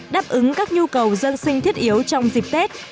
đáp ứng các nhu cầu dân sinh thiết yếu trong dịp tết